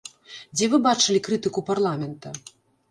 Дзе вы бачылі крытыку парламента?